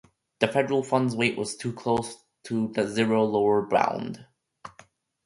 The federal funds rate was too close to the "zero lower bound."